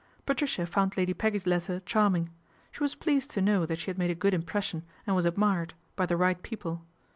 Patricia found Lady Peggy's letter charming. She was pleased to know that she had made a good impression and was admired by the right people.